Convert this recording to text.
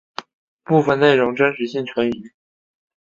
部分内容真实性存疑。